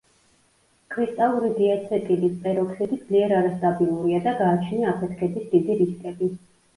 კრისტალური დიაცეტილის პეროქსიდი ძლიერ არასტაბილურია და გააჩნია აფეთქების დიდი რისკები.